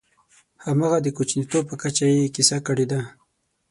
همغه د کوچنیتوب په کچه یې کیسه کړې ده.